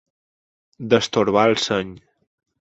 Destorbar el seny.